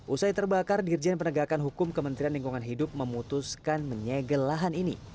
usai terbakar dirjen penegakan hukum kementerian lingkungan hidup memutuskan menyegel lahan ini